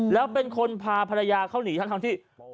แล้วเป็นคนพาภรรยาเขาหนีทั้งที่